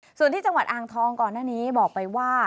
ส่วนที่จังหวัดอ่างทองก่อนหน้านี้บอกไปว่า